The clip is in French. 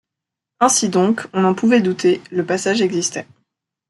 Ainsi donc, on n’en pouvait douter, le passage existait.